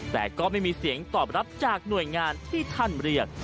แต่ก็ไม่มีเสียงตอบรับจากหน่วยงานที่ท่านเรียก